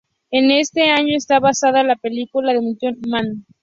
En este año está basada la película Demolition Man